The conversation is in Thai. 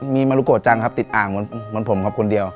มีมรุกโกจังครับติดอ่างวนผมคนเดียว